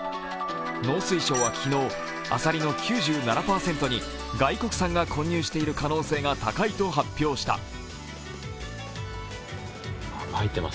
農水省は昨日、あさりの９７％に外国産が混入している可能性が高いと発表した。